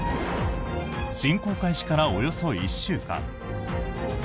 侵攻開始からおよそ１週間。